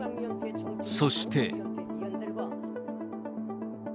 そして。